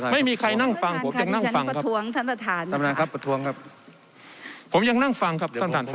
ไม่มีใครนั่งฟังผมยังนั่งฟังครับ